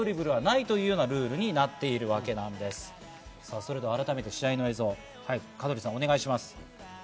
それでは改めて試合の映像を、香取さんお願いします。